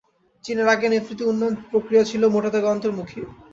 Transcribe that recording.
চীনের আগের নেতৃত্বের উন্নয়ন প্রক্রিয়া ছিল মোটা দাগে অন্তর্মুখী।